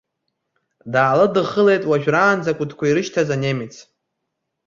Даалыдххылеит уажәраанӡа акәытқәа ирышьҭаз анемец.